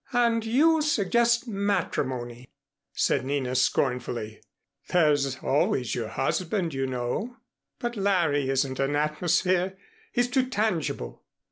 "And you suggest matrimony," said Nina scornfully. "There's always your husband, you know." "But Larry isn't an atmosphere. He's too tangible."